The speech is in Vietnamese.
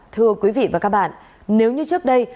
thưa quý vị và các bạn nếu như trước đây